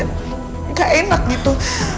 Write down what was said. nggak enak gitu